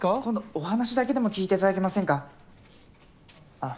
お話だけでも聞いていただけませんかあぁ。